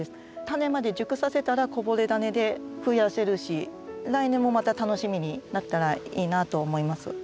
タネまで熟させたらこぼれダネでふやせるし来年もまた楽しみになったらいいなと思います。